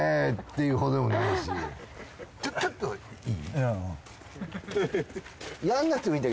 ちょっといい？